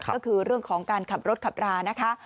ก็คือเรื่องของการขับรถขับรานะคะ